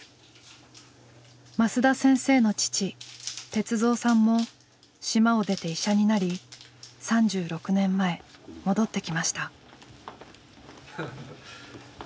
升田先生の父鉄三さんも島を出て医者になり３６年前戻ってきました。